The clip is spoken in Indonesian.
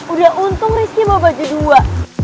udah untung rizky bawa baju dua